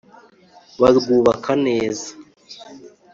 barwubaka neza